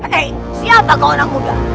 hei siapa kau anak muda